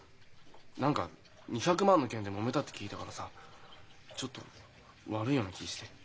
何か２００万の件でもめたって聞いたからさちょっと悪いような気ぃして。